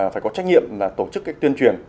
phải có trách nhiệm là tổ chức tuyên truyền